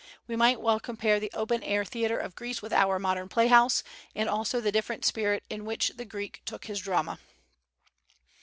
We might well compare the open air theater of Greece with our modern play house; and also the different spirit in which the Greek took his drama.